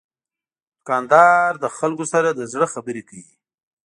دوکاندار له خلکو سره د زړه خبرې کوي.